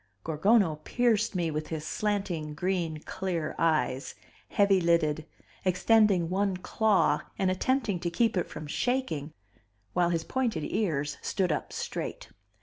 Gorgono pierced me with his slanting green, clear eyes, heavy lidded, extending one claw and attempting to keep it from shaking while his pointed ears stood up straight.